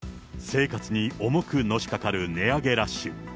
生活に重くのしかかる値上げラッシュ。